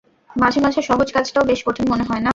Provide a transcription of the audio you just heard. মাঝেমাঝে সহজ কাজটাও বেশ কঠিন মনে হয়, না?